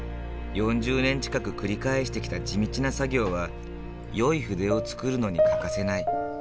４０年近く繰り返してきた地道な作業はよい筆を作るのに欠かせない。